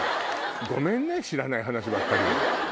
ごめんね知らない話ばっかりで。